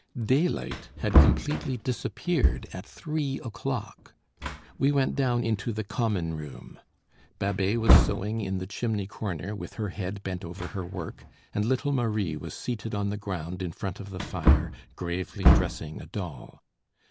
Daylight had completely disappeared at three o'clock. We went down into the common room. Babet was sewing in the chimney corner, with her head bent over her work; and little Marie was seated on the ground, in front of the fire, gravely dressing a doll.